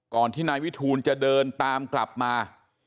ที่นายวิทูลจะเดินตามกลับมา